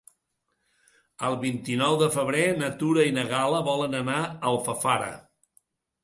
El vint-i-nou de febrer na Tura i na Gal·la volen anar a Alfafara.